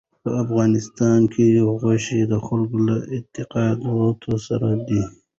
په افغانستان کې غوښې د خلکو له اعتقاداتو سره دي.